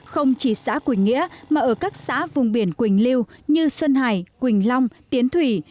không chỉ xã quỳnh nghĩa mà ở các xã vùng biển quỳnh lưu như sơn hải quỳnh long tiến thủy